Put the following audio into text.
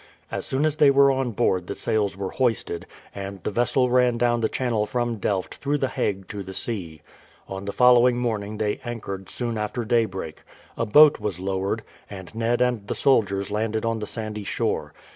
As soon as they were on board the sails were hoisted, and the vessel ran down the channel from Delft through the Hague to the sea. On the following morning they anchored soon after daybreak. A boat was lowered, and Ned and the soldiers landed on the sandy shore.